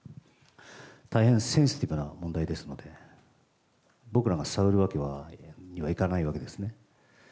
大変センシティブな問題ですので、僕らが探るわけにはいかないわけですね。